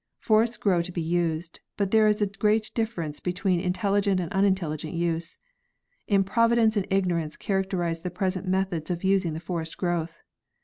Forests grow to be used, but there is a great difference between intelligent and unintelligent use. Improvidence and ignorance characterize the present methods of using the forest growth.